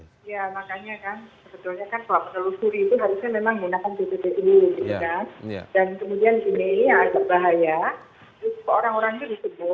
ya makanya kan sebetulnya kan kalau menelusuri itu harusnya memang menggunakan bppi